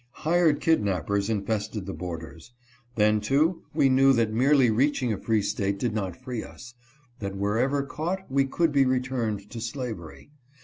Hired kidnappers infested the borders. Then, too, we knew that merely reaching a free state did not free us, that wherever caught we could be returned to slavery.